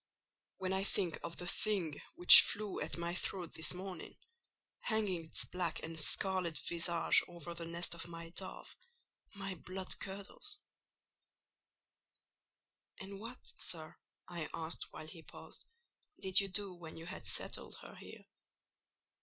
When I think of the thing which flew at my throat this morning, hanging its black and scarlet visage over the nest of my dove, my blood curdles—" "And what, sir," I asked, while he paused, "did you do when you had settled her here?